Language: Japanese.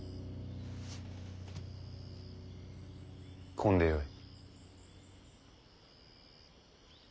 来んでよい。